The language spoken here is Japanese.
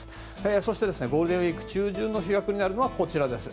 そしてゴールデンウィーク中旬の主役になるのはこちらです。